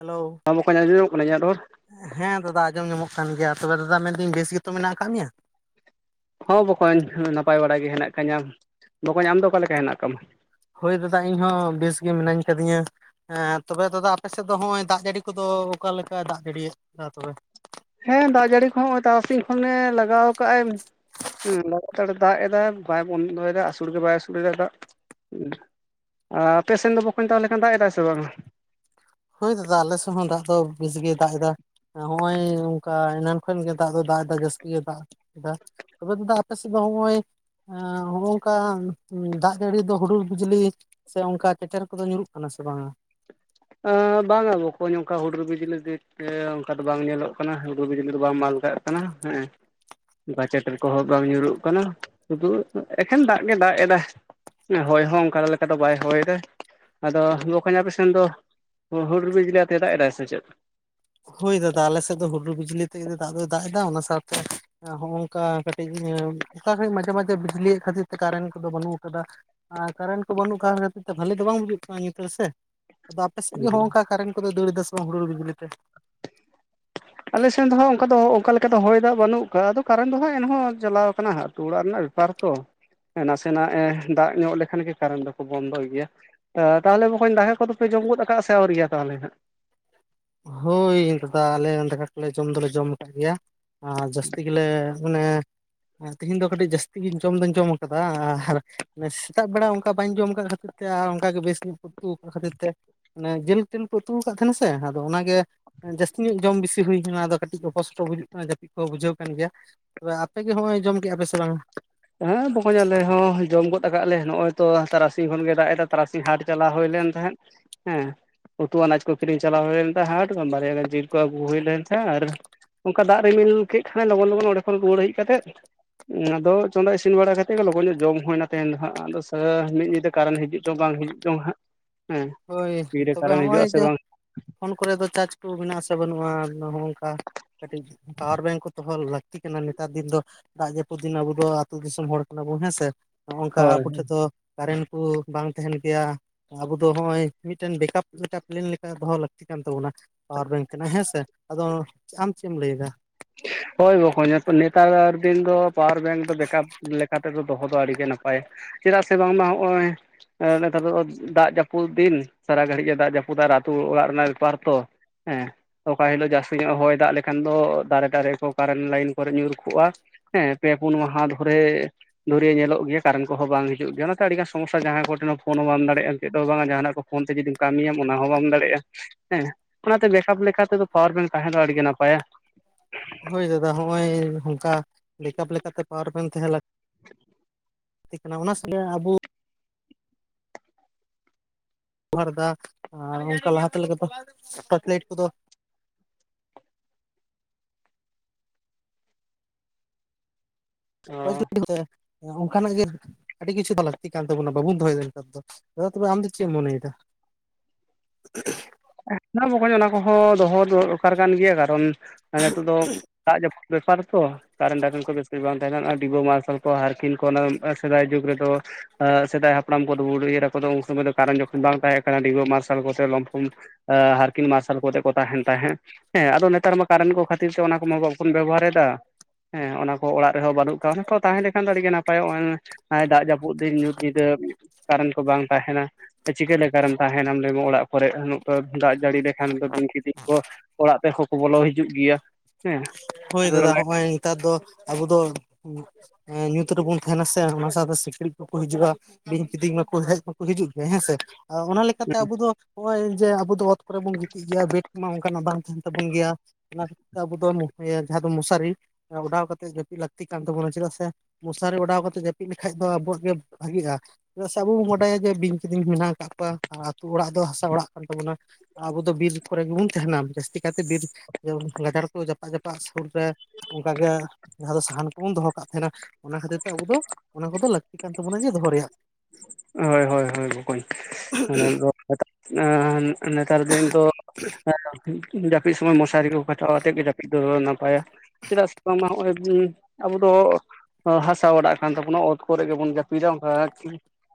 Hello ᱵᱟ ᱵᱟᱠᱚᱧ ᱟᱧᱡᱚᱢ ᱧᱟᱢᱚᱜ ᱠᱟᱱᱟ ᱤᱧᱟᱹᱜ ᱨᱚᱲ? ᱦᱮᱸ ᱫᱟᱫᱟ ᱟᱸᱡᱚᱢ ᱧᱟᱢᱚᱜ ᱠᱟᱱ ᱜᱮᱭᱟ ᱛᱚᱵᱮ ᱫᱟᱫᱟ ᱢᱮᱱᱫᱟᱹᱧ ᱵᱮᱥ ᱜᱮᱛᱚ ᱢᱮᱱᱟᱜ ᱟᱠᱟᱜ ᱢᱮᱭᱟ? ᱦᱚᱸ ᱵᱚᱠᱚᱧ ᱱᱟᱯᱟᱭ ᱵᱟᱲᱟ ᱜᱮ ᱦᱮᱱᱟᱜ ᱠᱟᱹᱧᱟᱢ ᱵᱚᱠᱚᱧ ᱟᱢ ᱫᱚ ᱚᱠᱟ ᱞᱮᱠᱟ ᱦᱮᱱᱟᱜ ᱠᱟᱜ ᱢᱮ᱾ ᱦᱳᱭ ᱫᱟᱫᱟ ᱤᱧ ᱦᱚᱸ ᱵᱮᱥ ᱜᱮ ᱢᱤᱱᱟᱹᱧ ᱠᱟᱹᱫᱤᱧᱟ᱾ ᱦᱮᱸ ᱛᱚᱵᱮ ᱫᱟᱫᱟ ᱟᱯᱮ ᱥᱮᱫ ᱫᱚ ᱦᱚᱜᱼᱚᱭ ᱫᱟᱜ ᱡᱟᱹᱲᱤ ᱠᱚᱫᱚ ᱚᱠᱟᱞᱮᱠᱟᱭ ᱫᱟᱜ ᱡᱟᱹᱲᱤᱭᱟᱜ ᱯᱮᱭᱟ ᱛᱚᱵᱮ? ᱦᱮᱸ ᱫᱟᱜ ᱡᱟᱹᱲᱤ ᱠᱚ ᱦᱚᱸ ᱛᱟᱨᱟᱥᱤᱧ ᱠᱷᱚᱱᱮ ᱞᱟᱜᱟᱣ ᱠᱟᱜᱼᱮᱢ ᱦᱮᱸ ᱞᱟᱜᱟᱛᱟᱲᱮ ᱫᱟᱜ ᱮᱫᱟᱭ ᱵᱟᱭ ᱵᱚᱱᱫᱚᱭᱮᱫᱟᱭ ᱟᱥᱳᱲ ᱜᱮ ᱵᱟᱭ ᱟᱥᱳᱲ ᱮᱫᱟ ᱫᱟᱜ᱾ ᱟᱨ ᱟᱯᱮ ᱥᱮᱱ ᱫᱚ ᱵᱟᱠᱚᱧ ᱛᱟᱦᱚᱞᱮ ᱠᱷᱟᱱ ᱫᱟᱜ ᱮᱫᱟᱭ ᱥᱮ ᱵᱟᱝᱟ? ᱦᱳᱭ ᱫᱟᱫᱟ ᱟᱞᱮ ᱥᱮᱜ ᱦᱚᱸ ᱫᱟᱜ ᱫᱚ ᱵᱮᱥ ᱜᱮ ᱫᱟᱜ ᱮᱫᱟ᱾ ᱦᱚᱜᱼᱚᱭ ᱚᱝᱠᱟ ᱮᱱᱟᱱ ᱠᱷᱚᱱ ᱜᱮ ᱫᱟᱜ ᱫᱚ ᱫᱟᱜ ᱮᱫᱟ ᱡᱟᱹᱥᱛᱤ ᱜᱮ ᱫᱟᱜ ᱫᱟᱜ ᱛᱚᱵᱮ ᱫᱟᱫᱟ ᱟᱯᱮ ᱥᱮᱫ ᱫᱚ ᱦᱚᱸᱜᱼᱚᱭ ᱦᱚᱲᱚᱝᱠᱟ ᱫᱟᱜ ᱡᱟᱹᱲᱤ ᱫᱚ ᱦᱩᱰᱩᱨ ᱵᱤᱡᱽᱞᱤ ᱥᱮ ᱚᱱᱠᱟ ᱪᱮᱴᱮᱨ ᱠᱚᱫᱚ ᱧᱩᱨᱩᱜ ᱠᱟᱱᱟ ᱥᱮ ᱵᱟᱝ ᱟ? ᱟ ᱵᱟᱝᱟ ᱵᱚᱠᱚᱧ ᱚᱝᱠᱟ ᱦᱩᱰᱩᱨ ᱵᱤᱡᱽᱞᱤ ᱥᱮ ᱚᱱᱠᱟ ᱫᱚ ᱵᱟᱝ ᱧᱮᱞᱚᱜ ᱠᱟᱱᱟ ᱦᱩᱰᱩᱨ ᱵᱤᱡᱞᱤ ᱫᱚ ᱵᱟᱝ ᱢᱟᱞ ᱠᱟᱜ ᱠᱟᱱᱟ ᱦᱮᱸ ᱵᱟᱪᱮᱴ ᱨᱮ ᱠᱚᱦᱚᱸ ᱵᱟᱝ ᱧᱩᱨᱩᱜ ᱠᱟᱱᱟ ᱥᱩᱫᱩ ᱮᱠᱷᱮᱱ ᱫᱟᱜ ᱜᱮ ᱫᱟᱜ ᱮᱫᱟ᱾ ᱦᱚᱭ ᱦᱚᱸ ᱚᱝᱠᱟ ᱞᱮ ᱞᱮᱠᱟ ᱫᱚ ᱵᱟᱭ ᱦᱚᱭᱮᱫᱟ ᱟᱫᱚ ᱱᱵᱚᱠᱚᱧ ᱟᱯᱮᱥᱮᱱ ᱫᱚ ᱦᱩ ᱦᱩᱰᱩᱨ ᱵᱤᱡᱽᱞᱤᱭᱟᱛᱮᱜᱼᱮ ᱫᱟᱜ ᱮᱫᱟᱭ ᱥᱮ ᱪᱮᱫ? ᱦᱳᱭ ᱫᱟᱫᱟ ᱟᱞᱮᱥᱮᱫ ᱫᱚ ᱦᱩᱰᱩᱨ ᱵᱤᱡᱽᱞᱤᱭᱟᱛᱮᱜ ᱜᱮᱛᱚ ᱫᱟᱜ ᱫᱚᱭ ᱫᱟᱜ ᱮᱫᱟ ᱚᱱᱟ ᱥᱟᱶᱛᱮ ᱦᱚᱜᱼᱚᱝᱠᱟ ᱠᱟᱹᱴᱤᱡ ᱚᱠᱟᱥᱮᱡ ᱢᱟᱡᱷᱮ ᱢᱟᱡᱷᱮ ᱵᱤᱡᱽᱞᱤᱭᱮᱫ ᱠᱷᱟᱹᱛᱤᱨ ᱛᱮ ᱠᱟᱨᱮᱱᱴ ᱠᱚᱫᱚ ᱵᱟᱹᱱᱩᱜ ᱟᱠᱟᱫᱟ᱾ ᱟᱨ ᱠᱟᱨᱮᱱᱴ ᱠᱚ ᱵᱟᱹᱱᱩᱜ ᱠᱟᱱ ᱠᱷᱟᱹᱛᱤᱨ ᱛᱮ ᱵᱷᱟᱹᱞᱤ ᱫᱚ ᱵᱟᱝ ᱵᱩᱡᱩᱜ ᱠᱟᱱᱟ ᱧᱩᱛ ᱨᱮ ᱥᱮ ᱟᱫᱚ ᱟᱯᱮ ᱥᱮᱜ ᱜᱮ ᱦᱚᱜᱼᱚᱝᱠᱟ ᱠᱟᱨᱮᱱ ᱠᱚᱫᱚᱭ ᱫᱟᱹᱲ ᱮᱫᱟ ᱥᱮ ᱵᱟᱝ ᱦᱩᱲᱩᱨ ᱵᱤᱡᱽᱞᱤ ᱛᱮ ᱟᱞᱮᱥᱮᱱ ᱫᱚ ᱦᱟᱸᱜ ᱚᱝᱠᱟ ᱫᱚ ᱚᱱᱠᱟ ᱞᱮᱠᱟ ᱫᱚ ᱦᱚᱭ ᱫᱟᱜ ᱵᱟᱹᱱᱩᱜ ᱠᱟᱜ ᱟᱫᱚ ᱠᱟᱨᱮᱱ ᱫᱚ ᱦᱟᱸᱜ ᱮᱱᱦᱚᱸ ᱪᱟᱞᱟᱣ ᱠᱟᱱᱟ ᱟᱹᱛᱩ ᱚᱲᱟᱜ ᱨᱮᱱᱟᱜ ᱵᱮᱯ ᱵᱮᱯᱟᱨ ᱛᱚ ᱱᱟᱥᱮᱱᱟᱜᱼᱮ ᱫᱟᱜ ᱧᱚᱜ ᱞᱮᱠᱷᱟᱱ ᱜᱮ ᱠᱟᱨᱮᱱ ᱫᱚᱠᱚ ᱵᱚᱱᱫᱚᱭ ᱜᱮᱭᱟ᱾ ᱛᱟ ᱛᱟᱦᱟᱞᱮ ᱵᱟᱠᱚᱧ ᱫᱟᱠᱟ ᱠᱚᱫᱚᱯᱮ ᱡᱚᱢ ᱜᱚᱫ ᱟᱠᱟᱜ ᱥᱮ ᱟᱹᱣᱨᱤᱭᱟ ᱛᱟᱦᱟᱞᱮ ᱠᱷᱟᱱ? ᱦᱳᱭ ᱫᱟᱫᱟ ᱟᱞᱮ ᱦᱚᱸ ᱫᱟᱠᱟ ᱠᱚᱞᱮ ᱡᱚᱢ ᱫᱚᱞᱮ ᱡᱚᱢ ᱟᱠᱟᱜ ᱜᱮᱭᱟ᱾ ᱟᱨ ᱡᱟᱹᱥᱛᱤ ᱜᱮᱞᱮ ᱚᱱᱮ ᱟᱨ ᱛᱤᱦᱤᱧ ᱫᱚ ᱠᱟᱹᱴᱤᱡ ᱡᱟᱹᱥᱛᱤ ᱜᱤᱧ ᱡᱚᱢ ᱫᱚᱧ ᱡᱚᱢ ᱠᱟᱫᱟ ᱟᱨ ᱥᱮᱛᱟᱜ ᱵᱮᱲᱟ ᱚᱝᱠᱟ ᱵᱟᱹᱧ ᱡᱚᱢ ᱟᱠᱟᱜ ᱠᱷᱟᱹᱛᱤᱨ᱾ ᱛᱮ ᱟᱨ ᱚᱝᱠᱟ ᱜᱮ ᱵᱮᱥ ᱟᱜ ᱧᱜ ᱠᱚ ᱩᱛᱩ ᱟᱠᱟᱜ ᱠᱷᱟᱹᱛᱤᱨ ᱛᱮ ᱢᱟᱱᱮ ᱡᱮᱞ ᱴᱮᱞ ᱠᱚ ᱩᱛᱩ ᱟᱠᱟᱜ ᱛᱟᱦᱮᱱᱟ ᱥᱮ ᱚᱱᱟᱜᱮ ᱡᱟᱹᱥᱛᱤ ᱧᱚᱜ ᱡᱚᱢ ᱵᱤᱥᱤ ᱛᱤ ᱦᱩᱭᱠᱟᱱᱟ ᱫᱚ ᱠᱟᱹᱴᱤᱡ ᱚᱯᱚᱥᱚᱴᱚ ᱵᱩᱡᱩᱜ ᱠᱟᱱᱟ ᱡᱟᱯᱤᱜ ᱠᱚᱦᱚ ᱵᱩᱡᱷᱟᱹᱣ ᱠᱟᱱ ᱜᱮᱭᱟ ᱛᱚᱵᱮ ᱟᱯᱮᱜᱮ ᱦᱚᱸᱜᱼᱚᱭ ᱡᱚᱢ ᱠᱮᱜᱼᱟ ᱯᱮ ᱥᱮ ᱵᱟᱝᱟ? ᱦᱮᱸ ᱵᱚᱠᱚᱧ ᱟᱞᱮ ᱦᱚᱸ ᱡᱚᱢ ᱜᱚᱫ ᱟᱠᱟᱜ ᱞᱮ ᱱᱚᱜᱼᱚᱭ ᱛᱚ ᱛᱟᱨᱟᱥᱤᱧ ᱠᱷᱚᱱᱜᱮ ᱫᱟᱜ ᱮᱫᱟ ᱛᱟᱨᱟᱥᱤᱧ ᱦᱟᱴ ᱪᱟᱞᱟᱣ ᱦᱳᱭ ᱞᱮᱱ ᱛᱟᱦᱮᱸᱫ᱾ ᱦᱮᱸ ᱩᱛᱩ ᱟᱱᱟᱡ ᱠᱚ ᱠᱤᱨᱤᱧ ᱪᱟᱞᱟᱣ ᱦᱳᱭ ᱞᱮᱱ ᱛᱟᱦᱮᱸᱫ ᱦᱟᱴ ᱵᱟᱨᱭᱟ ᱜᱟᱱ ᱡᱤᱞ ᱠᱚ ᱟᱹᱜᱩ ᱦᱳᱭ ᱞᱮᱱ ᱛᱟᱦᱮᱸ ᱟᱨ ᱚᱝᱠᱟ ᱫᱟᱜ ᱨᱤᱢᱤᱞ ᱠᱮᱜ ᱠᱷᱟᱱᱮ ᱞᱚᱜᱚᱱ ᱞᱚᱜᱚᱱ ᱚᱸᱰᱮ ᱠᱷᱚᱱ ᱨᱩᱣᱟᱹᱲ ᱦᱮᱡ ᱠᱟᱛᱮᱫ ᱟᱫᱚ ᱪᱚᱸᱫᱟ ᱤᱥᱤᱱ ᱵᱟᱲᱟ ᱠᱟᱛᱮᱜ ᱜᱮ ᱞᱚᱜᱚᱱ ᱧᱚᱜ ᱡᱚᱢ ᱦᱳᱭᱱᱟ ᱛᱮᱦᱮᱱ ᱫᱚ ᱦᱟᱸᱜ ᱟᱫᱚ ᱥᱟᱹ ᱢᱤᱫ ᱧᱤᱫᱟᱹ ᱠᱟᱨᱮᱱ ᱦᱤᱡᱩᱜ ᱪᱚ ᱵᱟᱝ ᱦᱤᱡᱩᱜ ᱪᱚᱝ ᱦᱟᱸᱜ᱾ ᱦᱮᱸ ᱦᱳᱭ ᱛᱤᱨᱮ ᱛᱚᱵᱮ ᱠᱟᱨᱮᱱ ᱦᱤᱡᱩᱜ ᱦᱚᱸᱜᱼᱚᱭ ᱟᱥᱮ ᱡᱮ ᱵᱟᱝ ᱯᱷᱳᱱ ᱠᱚᱨᱮ ᱫᱚ ᱪᱟᱡ ᱠᱚ ᱢᱮᱱᱟᱜ ᱟᱥᱮ ᱵᱟᱹᱱᱩᱜᱼᱟ ᱱᱚᱦᱚᱝᱠᱟ ᱠᱟᱹᱴᱤᱡ ᱯᱟᱣᱟᱨ ᱵᱮᱝᱠ ᱠᱚ ᱫᱚᱦᱚ ᱞᱟᱹᱠᱛᱤ ᱠᱟᱱᱟ ᱱᱮᱛᱟᱨ ᱫᱤᱱ ᱫᱚ᱾ ᱫᱟᱜ ᱡᱟᱹᱯᱩᱫ ᱫᱤᱱ ᱟᱵᱚ ᱫᱚ ᱟᱹᱛᱩ ᱫᱤᱥᱚᱢ ᱦᱚᱲ ᱠᱟᱱᱟ ᱵᱚᱱ ᱦᱮᱸ ᱥᱮ᱾ ᱦᱚᱜᱼᱚᱝᱠᱟ ᱦᱳᱭ ᱟᱵᱚ ᱴᱷᱮᱡ ᱫᱚ ᱠᱟᱨᱮᱱ ᱠᱚ ᱵᱟᱝ ᱛᱟᱦᱮᱱ ᱜᱮᱭᱟ ᱟᱵᱚ ᱫᱚ ᱦᱚᱜᱼᱚᱭ ᱢᱤᱫᱴᱮᱱ ᱵᱮᱠᱟᱯ ᱢᱤᱫᱴᱟ ᱯᱞᱮᱱ ᱞᱮᱠᱟ ᱫᱚᱦᱚ ᱞᱟᱹᱠᱛᱤ ᱠᱟᱱ ᱛᱟᱵᱚᱱᱟᱹ᱾ ᱯᱟᱣᱟᱨ ᱵᱮᱝᱠ ᱠᱟᱱᱟ ᱦᱮᱸ ᱥᱮ ᱟᱫᱚ ᱟᱢ ᱪᱮᱜ ᱮᱢ ᱞᱮᱭ ᱫᱟ᱾ ᱦᱳᱭ ᱵᱟᱠᱚᱧ ᱦᱟᱯᱮ ᱱᱮᱛᱟᱨ ᱫᱤᱱ ᱫᱚ ᱯᱟᱣᱟᱨ ᱵᱮᱝᱠ ᱫᱚ ᱵᱮᱠᱟᱯ ᱞᱮᱠᱟᱛᱮ ᱫᱚ ᱫᱚᱦᱚ ᱫᱚ ᱟᱹᱰᱤᱜᱮ ᱱᱟᱯᱟᱭᱟ ᱪᱮᱫᱟᱜ ᱥᱮ ᱵᱟᱝᱢᱟ ᱦᱚᱜᱼᱚᱭ ᱱᱮᱛᱟᱨ ᱫᱚ ᱫᱟᱜ ᱡᱟᱹᱯᱩᱫ ᱫᱤᱱ ᱥᱟᱨᱟ ᱜᱷᱟᱹᱲᱤᱡ ᱮ ᱫᱟᱜ ᱡᱟᱹᱯᱩᱫᱟ ᱟᱨ ᱟᱹᱛᱳ ᱚᱲᱟᱜ ᱨᱮᱱᱟᱜ ᱵᱮᱯᱟᱨ ᱛᱚ᱾ ᱦᱮᱸ ᱚᱠᱟ ᱦᱤᱞᱳᱜ ᱡᱟᱹᱥᱛᱤ ᱧᱚᱜ ᱦᱚᱭ ᱫᱟᱜ ᱞᱮᱠᱷᱟᱱ ᱫᱚ ᱫᱟᱨᱮ ᱫᱟᱨᱮᱠᱚ ᱠᱟᱨᱮᱱᱴ ᱞᱟᱭᱤᱱ ᱠᱚᱨᱮ ᱧᱩᱨ ᱠᱚᱜᱼᱟ ᱦᱮᱸ ᱯᱮ ᱯᱩᱱ ᱢᱟᱦᱟ ᱫᱷᱚᱨᱮ᱾ ᱫᱷᱩᱨᱭᱟᱹ ᱧᱚᱜ ᱜᱮᱭᱟ ᱠᱟᱨᱮᱱ ᱠᱚᱦᱚᱸ ᱵᱟᱝ ᱦᱤᱡᱩᱜ ᱜᱮᱭᱟ ᱚᱱᱟᱛᱮ ᱟᱹᱰᱤᱜᱟᱱ ᱥᱚᱢᱚᱥᱥᱟ ᱡᱟᱦᱟᱸᱭ ᱠᱚᱴᱷᱮᱱ ᱯᱷᱳ ᱦᱚᱸ ᱵᱟᱢ ᱫᱟᱲᱮᱭᱟᱜᱼᱟᱱ ᱪᱮᱫ ᱦᱚᱸ ᱵᱟᱝ ᱡᱟᱦᱟᱱᱟᱜ ᱠᱚ ᱯᱷᱳᱱ ᱛᱮ ᱡᱩᱫᱤᱢ ᱠᱟᱹᱢᱤᱭᱟᱢ ᱚᱱᱟ ᱦᱚᱸ ᱵᱟᱢ ᱫᱟᱲᱮᱭᱟᱜᱼᱟ ᱦᱮᱸ ᱚᱱᱟᱛᱮ ᱵᱮᱠᱟᱯ ᱞᱮᱠᱟ ᱛᱮᱫᱚ ᱯᱟᱣᱟᱨ ᱵᱮᱝᱠ ᱛᱟᱦᱮᱸ ᱫᱚ ᱟᱹᱰᱤᱜ ᱱᱟᱯᱟᱭᱟ᱾ ᱦᱳᱭ ᱫᱟᱫᱟ ᱱᱚᱜᱼᱚᱭ ᱱᱚᱝᱠᱟ ᱵᱮᱠᱟᱯ ᱞᱮᱠᱟᱛᱮ ᱯᱟᱣᱟᱨ ᱵᱮᱝᱠᱮ ᱛᱟᱦᱮᱸ ᱞᱟᱹᱠᱛᱤ ᱞᱟᱹᱛᱤ ᱠᱟᱱᱟ ᱚᱱᱟ ᱟᱵᱚ [unintelligible] ᱵᱮᱚᱦᱟᱨᱫᱟ ᱟᱨ ᱚᱱᱠᱟ ᱞᱟᱦᱟᱛᱮᱫᱚ ᱴᱚᱨᱪ ᱞᱟᱭᱤᱴ ᱠᱚᱫᱚ [unintelligible] ᱚ ᱚᱱᱠᱟᱱᱟᱜ ᱜᱮ [unintelligible] ᱟᱹᱰᱤ ᱠᱤᱪᱩ ᱛᱚ ᱞᱟᱹᱠᱛᱤ ᱠᱟᱱ ᱛᱟᱵᱚᱱᱟ ᱵᱟ ᱵᱚᱱ ᱫᱚᱭ ᱫᱱᱮᱛᱟᱨ ᱫᱚ ᱫᱟᱫᱟ ᱛᱚᱵᱮᱢ ᱫᱚ ᱪᱮᱫ ᱢᱚᱱᱮᱟ? ᱦ [inaudible] ᱦᱮᱸ ᱵᱟᱚᱠᱚ ᱚᱱᱟ ᱠᱚᱦᱚᱸ ᱫᱚᱦᱚ ᱫᱚᱨᱠᱟᱨ ᱠᱟᱱ ᱜᱮᱭᱟ ᱠᱟᱨᱚᱱ ᱱᱤᱛᱳᱜ ᱫᱚ ᱫᱟᱜ ᱡᱟᱹᱯᱩᱫ ᱵᱮᱯᱟᱨ ᱛᱚ ᱠᱟᱨᱮᱱᱴᱟᱨᱮᱱᱴ ᱠᱚ ᱵᱮᱥᱤ ᱵᱟᱝ ᱛᱟᱦᱮ ᱰᱤᱵᱳ ᱢᱟᱨᱥᱟᱞ ᱠᱚ ᱦᱟᱨᱠᱤᱱ ᱠᱚ ᱚᱱᱟ ᱥᱮᱫᱟᱭ ᱡᱩᱜᱽ ᱨᱮᱫᱚ ᱥᱮᱫᱟᱭ ᱦᱟᱯᱲᱟᱢ ᱠᱚᱫᱚᱩᱩ ᱟᱠ ᱠᱚᱫᱚ ᱩᱱ ᱥᱚᱢᱚᱭ ᱫᱚ ᱠᱟᱨᱮᱱ ᱡᱚᱠᱷᱚᱱ ᱵᱟᱝ ᱛᱟᱦᱮᱸ ᱠᱟᱱᱟ ᱰᱤᱸᱵᱟᱹ ᱢᱟᱨᱥᱟᱞ ᱠᱚᱛᱮ ᱞᱚᱢᱯᱷᱚᱱ ᱦᱟᱨᱠᱤᱱ ᱢᱟᱨᱥᱟᱞ ᱠᱚᱛᱮ ᱠᱚ ᱛᱟᱦᱮ ᱦᱱ ᱛᱟᱦᱮᱸ᱾ ᱦᱮᱸ ᱟᱫᱚ ᱱᱮᱛᱟᱨ ᱢᱟ ᱠᱟᱨᱮᱱᱴ ᱠᱚ ᱠᱷᱟᱹᱛᱤᱨ ᱛᱮ ᱚᱱᱟ ᱠᱚᱦ ᱵᱟᱵᱚᱱ ᱵᱮᱵᱚᱦᱟᱨᱮᱫᱟ ᱦᱮᱸ ᱚᱱᱟ ᱠᱚ ᱚᱲᱟᱜ ᱨᱮᱦᱚᱸ ᱵᱟᱹᱱᱩᱜ ᱠᱚᱣᱟ ᱚᱱᱟ ᱠᱚ ᱛᱟᱦᱮᱸ ᱞᱮᱠᱷᱟᱱ ᱫᱚ ᱟᱹᱰᱤᱜ ᱱᱟᱯᱟᱭᱚᱜ ᱟᱭ ᱫᱟᱜ ᱡᱟᱹᱯᱩᱫ ᱫᱤᱱ ᱧᱩᱛ ᱧᱤᱫᱟᱹ ᱠᱟᱨᱮᱱᱴ ᱠᱚ ᱵᱟᱝ ᱛᱟᱦᱮᱱᱟ ᱪᱤᱠᱟᱹ ᱠᱟᱨᱮᱱ ᱛᱟᱦᱮᱱᱟᱢ᱾ ᱚᱲᱟᱜ ᱠᱚᱨᱮᱜ ᱫᱟᱜ ᱡᱟᱹᱲᱤ ᱞᱮᱠᱷᱟᱱ ᱵᱤᱝ ᱠᱤᱫᱤᱧ ᱠᱚ ᱚᱲᱟᱜ ᱛᱮᱦᱚᱸ ᱠᱚ ᱵᱚᱞᱚ ᱦᱤᱡᱩᱜ ᱜᱮᱭᱟ ᱦᱮᱸ ᱦᱳᱭ ᱟᱫᱚ ᱫᱟᱫᱟ ᱦᱚᱸᱜᱼᱚᱭ ᱱᱮᱛᱟᱨ ᱫᱚ ᱟᱵᱚ ᱫᱚ ᱧᱩᱛ ᱨᱮᱵᱚᱱ ᱛᱟᱦᱮᱱᱟ ᱥᱮ ᱚᱱᱟ ᱥᱟᱶᱛᱮ ᱥᱤᱠᱲᱤᱡ ᱠᱚᱠᱚ ᱦᱤᱡᱩᱜᱼᱟ᱾ ᱵᱤᱧ ᱠᱤᱫᱤᱧ ᱢᱟᱠᱚ ᱦᱮᱡ ᱢᱟᱠᱚ ᱦᱤᱡᱩᱜ ᱜᱮᱭᱟ ᱦᱮᱸᱥᱮ ᱚᱱᱟ ᱪᱠᱟᱛᱮ ᱟᱵᱚ ᱫᱚ ᱱᱚᱜ ᱚᱚᱭ ᱡᱮ ᱟᱵᱚ ᱫᱚ ᱚᱛ ᱠᱚᱨᱮ ᱵᱚᱱ ᱜᱤᱛᱤᱡ ᱜᱮᱭᱟ ᱵᱮᱰ ᱠᱚ ᱚᱱᱠᱟᱱᱟᱜ ᱵᱟᱝ ᱛᱟᱦᱮᱱ ᱛᱟᱵᱚᱱ ᱜᱮᱭᱟ ᱚᱱᱟ ᱠᱷᱟᱹᱛᱤᱨ ᱛᱮ ᱟᱵᱚ ᱫᱚ ᱡᱟᱦᱟᱸ ᱫᱚ ᱢᱚᱥᱟᱨᱤ ᱚᱰᱟᱣ ᱠᱟᱛᱮᱮᱫ ᱡᱟᱹᱯᱤᱫ ᱞᱟᱹᱠᱛᱤ ᱠᱟᱱ ᱛᱟᱵᱚᱱᱟ ᱪᱮᱫᱟᱜ ᱥᱮ ᱢᱚᱥᱟᱨᱤ ᱚᱰᱟᱣ ᱠᱟᱛᱮᱜ ᱡᱟᱹᱯᱤᱫ ᱞᱮᱠᱷᱟᱡ ᱫᱚ ᱟᱵᱚᱣᱟᱜ ᱜᱮ ᱵᱷᱟᱜᱤᱜᱼᱟ ᱪᱮᱫᱟᱜ ᱥᱮ ᱟᱵᱚ ᱵᱚᱱ ᱵᱟᱰᱟᱭᱟ ᱡᱮ ᱵᱤᱧ ᱠᱤᱫᱤᱧ ᱢᱮᱱᱟᱜ ᱟᱠᱟᱫ ᱠᱚᱣᱟ ᱟ ᱟᱹᱛᱩ ᱚᱲᱟᱜ ᱫᱚ ᱦᱟᱥᱟ ᱚᱲᱟᱜ ᱠᱟᱱ ᱛᱟᱵᱚᱱᱟ᱾ ᱟᱵᱚ ᱫᱚ ᱵᱤᱨ ᱠᱚᱨᱮ ᱜᱮᱵᱚᱱ ᱛᱟᱦᱮᱱᱟ ᱡᱟᱹᱥᱛᱤ ᱠᱟᱭᱛᱮ ᱵᱤᱨ ᱡᱮ ᱜᱟᱡᱟᱲ ᱠᱚ ᱡᱟᱯᱟᱜ ᱡᱟᱯᱟᱜ ᱥᱩᱨ ᱨᱮ ᱚᱱᱠᱟᱜ ᱜᱮ ᱡᱟᱦᱟᱸ ᱫᱚ ᱥᱟᱦᱟᱱ ᱵᱚᱱ ᱫᱚᱦᱚ ᱠᱟᱜ ᱛᱟᱦᱮᱱᱟ ᱚᱱᱟ ᱠᱷᱟᱹᱛᱤᱨ ᱛᱮ ᱟᱵᱚ ᱫᱚ ᱚᱱᱟ ᱠᱚᱫᱚ ᱞᱟᱹᱠᱛᱤ ᱠᱟᱱ ᱛᱟᱵᱚᱱᱟ ᱡᱮ ᱫᱚᱦᱚ ᱨᱮᱭᱟᱜ ᱦᱳᱭ ᱦᱳᱭ ᱦᱳᱭ ᱵᱠᱚᱭ [unintelligible] ᱟ ᱱᱮᱛᱟᱨ ᱫᱤᱱ ᱫᱚ ᱡᱟᱹᱯᱤᱫ ᱥᱚᱢᱚᱭ ᱢᱚᱥᱟᱨᱤ ᱠᱚ ᱠᱟᱴᱟ ᱟᱛᱮᱫ ᱜᱮ ᱡᱟᱹᱯᱤᱫ ᱫᱚ ᱱᱟᱯᱟᱭᱟ ᱪᱮᱫᱟᱜ ᱥᱮ ᱵᱟᱝᱢᱟ ᱱᱚᱜᱼᱚᱭ ᱟᱵᱚ ᱫᱚ ᱦᱟᱥᱟ ᱚᱲᱟᱜ ᱠᱟᱱ ᱛᱟᱵᱚᱱᱟ ᱚᱛ ᱠᱚᱨᱮ ᱜᱮᱵᱚᱱ ᱡᱟᱹᱯᱤᱫᱟ ᱚᱱᱠᱟ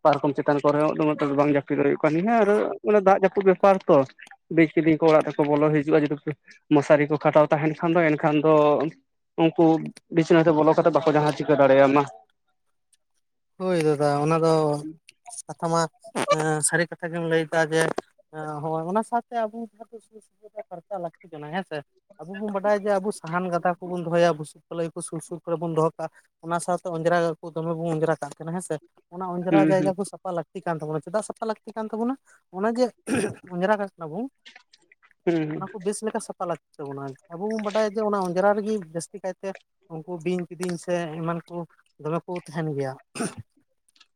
ᱯᱟᱨᱠᱚᱢ ᱪᱮᱛᱟᱱ ᱠᱚᱨᱮ ᱦᱚᱸᱫᱚᱢᱮ ᱛᱮ ᱫᱚ ᱵᱟᱝ ᱡᱟᱹᱯᱤᱫ ᱦᱩᱭᱩᱜ ᱠᱟᱱ ᱦᱮᱸ ᱟᱨ ᱚᱱᱮ ᱫᱟᱜ ᱡᱟᱹᱯᱩᱫ ᱵᱮᱯᱟᱨ ᱛᱚ ᱵᱤᱡ ᱠᱤᱫᱤᱧ ᱠᱚ ᱚᱲᱟᱜ ᱛᱮᱠᱚ ᱵᱚᱞᱚ ᱦᱤᱡᱩᱜᱼᱟ ᱡᱩᱫᱤ ᱢᱚᱥᱟᱨᱤ ᱠᱚ ᱠᱷᱟᱴᱟᱣ ᱛᱟᱦᱮᱱ ᱠᱷᱟᱱ ᱫᱚ ᱮᱱᱠᱷᱟᱱ ᱫᱚ ᱩᱱᱠᱩ ᱵᱤᱪᱱᱟᱹ ᱵᱚᱞᱚ ᱠᱟᱛᱮᱮᱫ ᱵᱟᱠᱚ ᱡᱟᱦᱟᱸ ᱪᱤᱠᱟᱹ ᱫᱟᱲᱮᱭᱟᱜᱟ ᱦᱳᱭ ᱫᱟᱫᱟ ᱚᱱᱟ ᱫᱚ ᱠᱟᱛᱷᱟ ᱢᱟ ᱥᱟᱹᱨᱤ ᱠᱟᱛᱷᱟ ᱜᱮᱢ ᱞᱟᱹᱭᱫᱟ ᱡᱮ ᱚᱱᱟ ᱥᱟᱶᱛᱮ ᱟᱵᱚ ᱡᱟᱦᱟᱸ ᱫᱚ [unintelligible] ᱠᱷᱨᱪᱟ ᱞᱟᱠᱛᱤ ᱠᱟᱱᱟ ᱦᱮᱸ ᱥᱮ ᱟᱵᱚ ᱵᱚᱱ ᱵᱟᱰᱟᱭᱟ ᱡᱮ ᱟᱵᱚ ᱥᱟᱦᱟᱱ ᱜᱟᱫᱟᱷᱟ ᱠᱚᱵᱚᱱ ᱫᱚᱦᱚᱭᱟ ᱵᱩᱥᱤᱵ ᱯᱞᱟᱹᱭ ᱥᱩᱨ ᱥᱩᱨ ᱠᱚᱨᱮ ᱵᱚᱱ ᱫᱚᱚ ᱠᱟᱜᱼᱟ ᱚᱱᱟ ᱥᱟᱶᱛᱮ ᱚᱸᱡᱽᱨᱟ ᱠᱚ ᱫᱚᱢᱮ ᱵᱚᱱ ᱚᱸᱡᱽᱨᱟ ᱠᱟᱜ ᱠᱟᱱᱟ ᱦᱮᱸ ᱥᱮ ᱚᱱᱟ ᱚᱸᱡᱽᱨᱟ ᱦᱩᱸ ᱦᱩᱸ ᱡᱟᱭᱜᱟ ᱠᱚ ᱥᱟ ᱥᱟᱯᱷᱟ ᱞᱟᱹᱠᱛᱤ ᱠᱟᱱ ᱛᱟᱵᱚᱱᱟ ᱪᱮᱫᱟᱜ ᱥᱟᱯᱷᱟ ᱞᱟᱹᱠᱛᱤ ᱠᱟᱱ ᱛᱵᱚᱱᱟ ᱚᱱᱮ ᱡᱮ ᱚᱸᱡᱽᱨᱟᱟᱜ ᱠᱟᱱᱟ ᱵᱚᱱ ᱦᱩᱸ ᱦᱩᱸ ᱚᱱᱟ ᱠᱚ ᱵᱮᱥ ᱞᱮᱠᱟ ᱥᱟᱯᱷᱟ ᱞᱟᱠᱛᱤ ᱛᱵᱚᱱᱟ ᱟᱵᱚ ᱵᱚᱱ ᱵᱟᱰᱟᱭᱟ ᱡᱮ ᱚᱱᱟ ᱚᱸᱡᱽᱨᱟ ᱨᱮᱜᱮ ᱡᱟᱹᱥᱛᱤ ᱠᱟᱭᱛᱮ ᱩᱱᱠᱩ ᱵᱤᱧ ᱠᱤᱫᱤᱧ ᱥᱮ ᱮᱢᱟᱱ ᱠᱚ ᱫᱚᱢᱮ ᱠᱚ ᱛᱟᱦᱮᱱ ᱜᱮᱭᱟ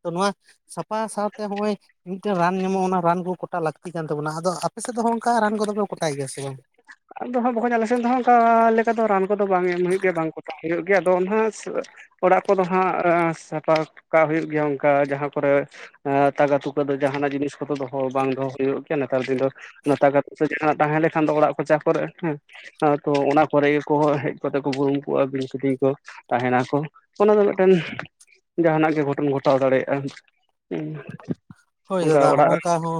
ᱛᱚ ᱱᱚᱣᱟ ᱥᱟᱯᱷᱟ ᱥᱟᱶᱛᱮ ᱦᱚᱸᱜᱼᱚᱭ ᱢᱤᱫᱴᱮᱱ ᱨᱟᱱ ᱧᱟᱢᱚᱜᱼᱟ ᱚᱱᱟ ᱨᱟᱱ ᱠᱚ ᱠᱚᱴᱟ [unintelligible] ᱞᱟᱹᱠᱛᱤ ᱠᱟᱱ ᱛᱟᱵᱚᱱᱟ ᱟᱫᱚ ᱟᱯᱮ ᱥᱮᱫ ᱫᱚ ᱚᱱᱠᱟ ᱨᱟᱱ ᱠᱚᱫᱚᱯᱮ ᱠᱚᱴᱟᱭ ᱜᱮᱭᱟ ᱥᱮ ᱵᱟᱝ ᱟᱫᱚ ᱦᱜ ᱵᱟᱠᱚᱧ ᱟᱞᱮᱮᱥᱮᱫ ᱫᱚ ᱚᱱᱠᱟ ᱞᱮᱠᱟ ᱫᱚ ᱨᱟᱱ ᱠᱚᱫᱚ ᱵᱟᱝ ᱮᱢ ᱦᱩᱭᱩᱜ ᱜᱮᱭᱟ ᱵᱟᱝ ᱠᱚᱴᱟ ᱦᱩᱭᱩᱜ ᱜᱮᱭᱟ ᱟᱫᱚ ᱚᱱᱟᱦᱟᱜ ᱚᱲᱟᱜ ᱠᱚᱫᱚ ᱦᱟᱸᱜ ᱥᱟᱯᱷᱟ ᱠᱟᱜ ᱦᱩᱭᱩᱜ ᱜᱮᱭᱟ ᱚᱱᱠᱟ ᱡᱟᱦᱟᱸ ᱠᱚᱨᱮ ᱮ ᱛᱟᱠᱟ ᱛᱩᱠᱟᱹ ᱫᱚ ᱡᱟᱦᱟᱱᱟᱜ ᱡᱤᱱᱤᱥ ᱠᱚᱫᱚ ᱫᱚᱦᱚ ᱵᱟᱝ ᱫᱚᱦᱚ ᱦᱩᱭᱩᱜ ᱜᱮᱭᱟ ᱱᱮᱛᱟᱨ ᱫᱤᱱ ᱫᱚ [unintelligible] ᱛᱟᱦᱮᱸ ᱞᱮᱱᱠᱷᱟᱱ ᱫᱚ ᱚᱲᱟᱜ ᱠᱚ ᱪᱟ ᱠᱚᱨᱮ ᱦᱮᱸ ᱛᱚ ᱚᱱᱟ ᱠᱚᱨᱮ ᱜᱮ ᱠᱚ ᱦᱮᱡ ᱠᱟᱛᱮᱜ ᱠᱚ ᱵᱩᱨᱩᱢ ᱠᱚᱜᱼᱟ ᱵᱤᱧ ᱠᱤᱫᱤᱧ ᱠᱚ ᱛᱟᱦᱮᱱᱟ ᱠᱚ ᱚᱱᱟ ᱫᱚ ᱢᱤᱫᱴᱮᱱ ᱡᱟᱦᱟᱱᱟᱜ ᱜᱮ ᱜᱷᱚᱴᱚᱱ ᱜᱷᱚᱴᱟᱣ ᱫᱟᱲᱮᱭᱟᱜᱼᱟ᱾ [unintelligible] ᱦᱳᱭ ᱚᱱᱠᱟ ᱫᱟᱫᱟ ᱦᱚᱸᱜᱼ ᱚᱲᱟᱜ ᱱᱚᱝᱠᱟ ᱦᱚᱸ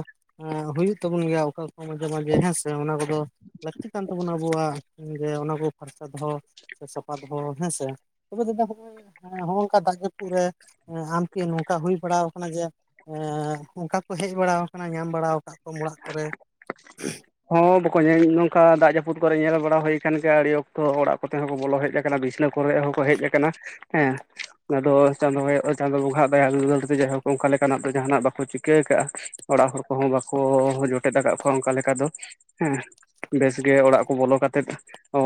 ᱦᱩᱭᱩᱜ ᱛᱟᱵᱚᱱ ᱜᱮᱭᱟ ᱚᱠᱟᱠᱚ ᱢᱟᱡᱷᱮ ᱢᱟᱡᱷᱮ ᱦᱮᱸᱥᱮ ᱚᱱᱟ ᱠᱚᱫᱚ ᱞᱟᱹᱠᱛᱤ ᱠᱟᱱ ᱛᱟᱵᱚᱱᱟ ᱟᱵᱚᱣᱟᱜ ᱡᱮ ᱚᱱᱟ ᱠᱚ ᱯᱷᱟᱨᱪᱟ ᱫᱚᱦᱚ ᱥᱮ ᱥᱟᱯᱷᱟ ᱫᱚᱦᱚ ᱦᱮᱸᱥᱮ ᱛᱚᱵᱮ ᱫᱟ [unintelligible] ᱦᱚᱜᱼ ᱱᱚᱝᱠᱟ ᱫᱟᱜ ᱯᱩᱨᱟ ᱟᱢᱠᱤ ᱱᱚᱝᱠᱟ ᱦᱩᱭ ᱵᱟᱲᱟ ᱠᱟᱱᱟ ᱡᱮ ᱮᱻ ᱚᱱᱠᱟ ᱠᱚ ᱦᱮᱡ ᱵᱟᱲᱟ ᱟᱠᱟᱱᱟ ᱧᱟᱢ ᱵᱟᱲᱟ ᱟᱠᱟᱫ ᱠᱚ ᱚᱲᱟᱜ ᱠᱚᱨᱮ ᱦᱚᱸ ᱵᱟᱠᱚᱧ ᱱᱚᱝᱠᱟ ᱫᱟᱜ ᱡᱟᱹᱯᱩᱫ ᱠᱚᱨᱮ ᱧᱮᱞ ᱵᱟᱲᱟ ᱦᱩᱭ ᱟᱠᱟᱱ ᱜᱮᱭᱟ ᱟᱹᱰᱤ ᱚᱠᱛᱚ ᱚᱲᱟᱜ ᱠᱚ ᱛᱮᱦᱚ ᱠᱚ ᱵᱚᱞᱚ ᱦᱮᱡ ᱟᱠᱟᱱᱟ ᱵᱤᱥᱱᱟᱹ ᱠᱚᱨᱮ ᱦᱚᱸᱠᱚ ᱦᱮᱡ ᱟᱠᱟᱱᱟ ᱦᱮᱸ ᱟᱫᱚ ᱪᱟᱸᱫᱳ ᱟᱭᱚ ᱪᱟᱸᱫᱳ ᱵᱚᱸᱜᱟ ᱟᱜ ᱫᱟᱭᱟ ᱫᱩᱞᱟᱹᱲ ᱛᱮ ᱡᱟᱭᱦᱳᱠ ᱚᱱᱠᱟ ᱞᱮᱠᱟᱱᱟᱜ ᱫᱚ ᱡᱟᱦᱟᱱᱟᱜ ᱵᱟᱠᱚ ᱪᱤᱠᱟᱹ ᱠᱟᱜᱼᱟ ᱚᱲᱟᱜ ᱦᱚᱲ ᱠᱚᱦᱚᱸ ᱵᱟᱠᱚ ᱡᱚᱴᱮᱫ ᱟᱠᱟᱫ ᱠᱚᱣᱟ ᱚᱱᱠᱟ ᱞᱮᱠᱟ ᱫᱚ ᱦᱮᱸ ᱵᱮᱥᱜᱮ ᱚᱲᱟᱜ ᱠᱚ ᱵᱚᱞᱚ ᱠᱟᱛᱮᱫ ᱚ